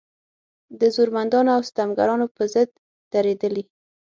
د زورمندانو او ستمګرانو په ضد درېدلې.